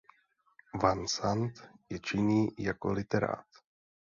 Van Sant je činný i jako literát.